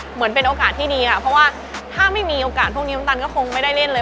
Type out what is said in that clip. เหมือนเป็นโอกาสที่ดีค่ะเพราะว่าถ้าไม่มีโอกาสพวกนี้น้ำตาลก็คงไม่ได้เล่นเลย